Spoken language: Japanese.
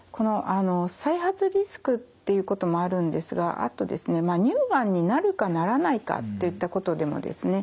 再発リスクっていうこともあるんですが乳がんになるかならないかといったことでもですね